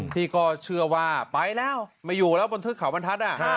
ที่ก็เชื่อว่าไปแล้วมาอยู่แล้วบนทึกขาวบรรทัศน์อ่ะ